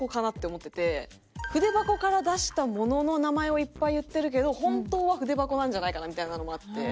筆箱から出した物の名前をいっぱい言ってるけど本当は「筆箱」なんじゃないかなみたいなのもあって。